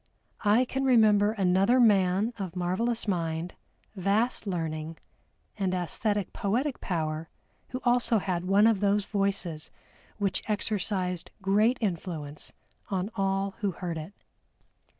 I can remember another man of marvelous mind, vast learning, and æsthetic poetic power who also had one of those voices which exercised great influence on all who heard it.